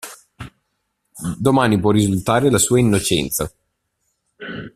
Domani può risultare la sua innocenza.